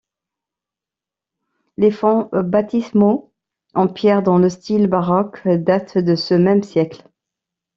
Les fonts baptismaux en pierre dans le style baroque datent de ce même siècle.